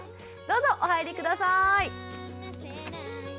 どうぞお入り下さい。